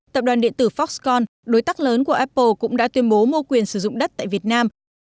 tập đoàn điện tử foxcon đối tác lớn của apple cũng đã tuyên bố mua quyền sử dụng đất tại việt nam